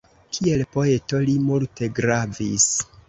Kiel poeto li multe gravis.